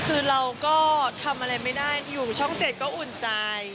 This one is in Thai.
คือเราก็ทำอะไรไม่ได้อยู่ช่อง๗ก็อุ่นใจ